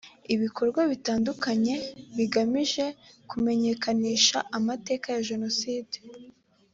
ibikorwa bitandukanye bigamije kumenyekanisha amateka ya jenoside